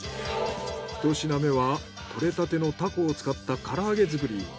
一品目は獲れたてのタコを使った唐揚げ作り。